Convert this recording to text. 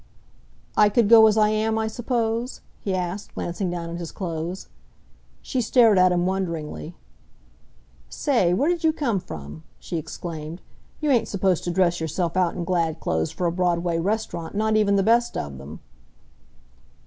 "I could go as I am, I suppose?" he asked, glancing down at his clothes. She stared at him wonderingly. "Say, where did you come from?" she exclaimed. "You ain't supposed to dress yourself out in glad clothes for a Broadway restaurant, not even the best of them."